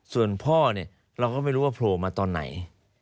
ส่วนพ่อเนี่ยเราก็ไม่รู้ว่าโผล่มาตอนไหน